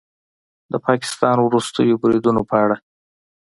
د پاکستان د وروستیو بریدونو په اړه